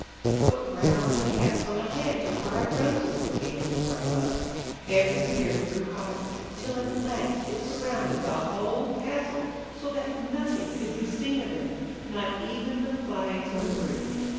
But round the castle a hedge of briar roses began to grow up; every year it grew higher, till at last it surrounded the whole castle so that nothing could be seen of it, not even the flags on the roof.